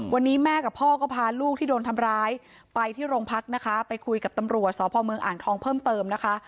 วันนี้แม่กับพ่อก็พาลูกที่โดนทำร้ายไปที่โรงพักนะคะไปคุยกับตำรวจสพเมืองอ่างทองเพิ่มเติมนะคะ